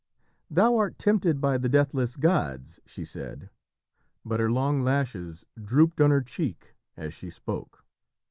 "Thou art tempted by the deathless gods," she said, but her long lashes drooped on her cheek as she spoke.